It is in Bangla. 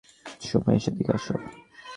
সুমেশ, এদিকে আসো।